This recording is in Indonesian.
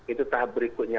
itu tahap berikutnya